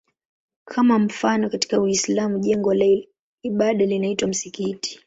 Kwa mfano katika Uislamu jengo la ibada linaitwa msikiti.